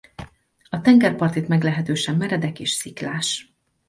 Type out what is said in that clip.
A tengerpart itt meglehetősen meredek és sziklás.